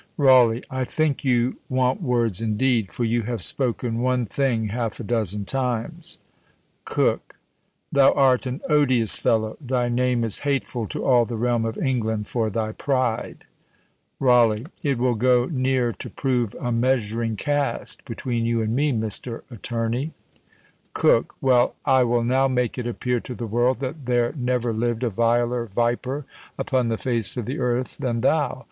RAWLEIGH. I think you want words indeed, for you have spoken one thing half a dozen times. COKE. Thou art an odious fellow; thy name is hateful to all the realm of England for thy pride. RAWLEIGH. It will go near to prove a measuring cast between you and me, Mr. Attorney. COKE. Well, I will now make it appear to the world that there never lived a viler viper upon the face of the earth than thou.